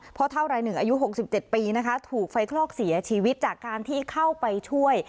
เพราะเท่าไรหนึ่งอายุหกสิบเจ็ดปีนะคะถูกไฟคลอกเสียชีวิตจากการที่เข้าไปช่วย